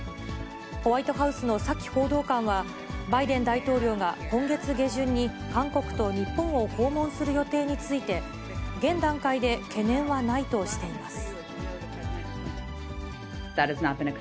ホワイトハウスのサキ報道官は、バイデン大統領が今月下旬に韓国と日本を訪問する予定について、現段階で懸念はないとしています。